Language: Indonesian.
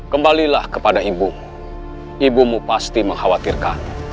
kembalilah kepada ibu ibumu pasti mengkhawatirkan